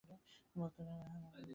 বক্তারা সকলেই ষ্টেজের উপর বসিয়াছিলেন।